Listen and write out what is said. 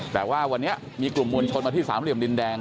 แต่ว่าวันนี้มีกลุ่มมวลชนมาที่สามเหลี่ยมดินแดง